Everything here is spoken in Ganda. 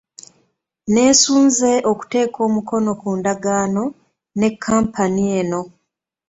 Nneesunze okuteeka omukono ku ndagaano ne kkampani eno.